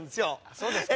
そうですか。